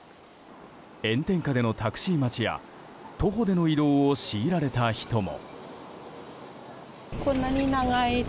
炎天下でのタクシー待ちや徒歩での移動を強いられた人も。